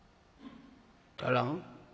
足らん？